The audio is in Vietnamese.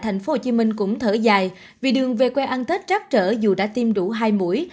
thành phố hồ chí minh cũng thở dài vì đường về quê ăn tết trắc trở dù đã tiêm đủ hai mũi